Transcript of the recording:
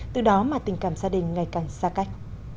từ đó mà tình cảm gia đình ngày càng xa cách